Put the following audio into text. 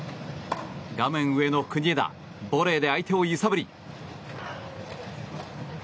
画面上の国枝ボレーで相手を揺さぶり。